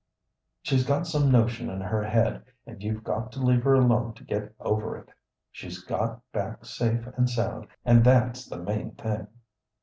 She's got some notion in her head, and you've got to leave her alone to get over it. She's got back safe and sound, and that's the main thing."